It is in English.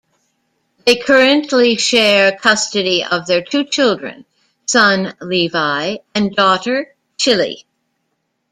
They currently share custody of their two children: son, Levi, and daughter, Chilli.